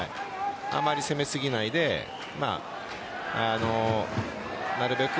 あまり攻めすぎないでなるべく